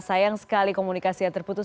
sayang sekali komunikasi yang terputus